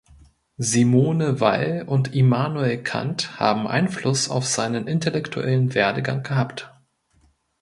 Simone Weil und Immanuel Kant haben Einfluss auf seinen intellektuellen Werdegang gehabt.